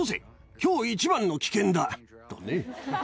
きょう一番の危険だとね。